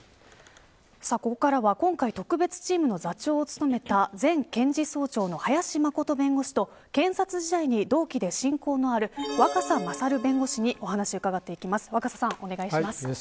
ここからは今回特別チームの座長を務めた前検事総長の林眞琴弁護士と検事時代に同期で親交のある若狭勝弁護士にお話を伺っていきます。